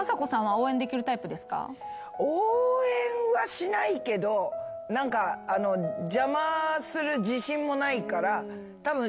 応援はしないけど何か邪魔する自信もないからたぶん。